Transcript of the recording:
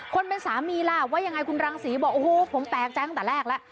คนเป็นสามีล่ะว่ายังไงคุณรังศรีบอกโอ้โหผมแตกใจตั้งแต่แรกแล้ว